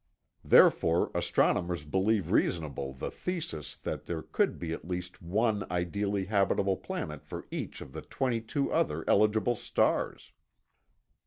Therefore, astronomers believe reasonable the thesis that there could be at least one ideally habitable planet for each of the 22 other eligible stars.